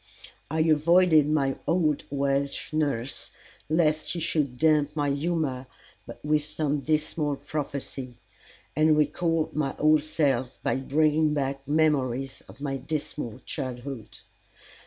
I avoided my old Welsh nurse, lest she should damp my humor with some dismal prophecy, and recall my old self by bringing back memories of my dismal childhood.